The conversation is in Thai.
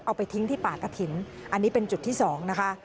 เอาไปทิ้งที่ป่ากระถิ่นอันนี้เป็นจุดที่๒นะคะ